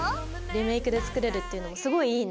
リメイクで作れるっていうのもすごいいいね！